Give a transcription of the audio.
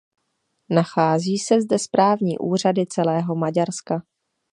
Nachází se zde správní úřady celého Maďarska.